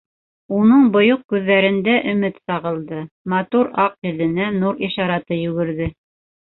Уның бойоҡ күҙҙәрендә өмөт сағылды, матур аҡ йөҙөнә нур ишараты йүгерҙе.